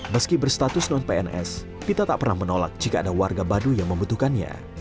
meski berstatus non pns pita tak pernah menolak jika ada warga baduy yang membutuhkannya